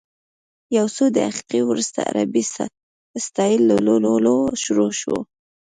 یو څو دقیقې وروسته عربي سټایل لللووللوو شروع شوه.